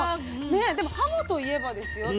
でもはもといえばですよ